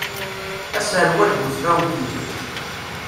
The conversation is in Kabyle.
Aserwal bu tfawtin.